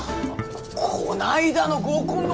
この間の合コンの！